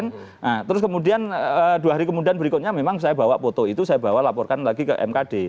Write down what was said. nah terus kemudian dua hari kemudian berikutnya memang saya bawa foto itu saya bawa laporkan lagi ke mkd